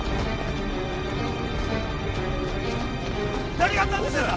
何があったんです！？